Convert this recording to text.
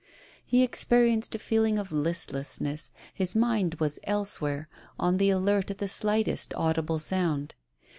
He experienced a feeling of listlessness, his mind was elsewhere, on the alert at the slightest audible sound.